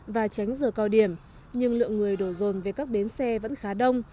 và tránh giờ cao điểm nhưng lượng người đổ rồn về các bến xe vẫn khá đông